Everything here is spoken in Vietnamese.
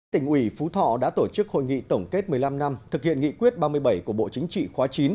tỉnh ủy phú thọ đã tổ chức hội nghị tổng kết một mươi năm năm thực hiện nghị quyết ba mươi bảy của bộ chính trị khóa chín